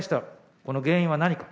この原因は何か。